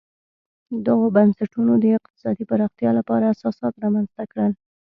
دغو بنسټونو د اقتصادي پراختیا لپاره اساسات رامنځته کړل.